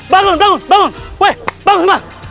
bangun bangun bangun bangun